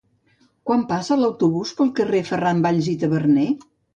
Quan passa l'autobús pel carrer Ferran Valls i Taberner?